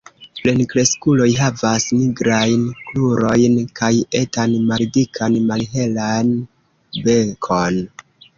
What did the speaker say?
Plenkreskuloj havas nigrajn krurojn kaj etan maldikan malhelan bekon.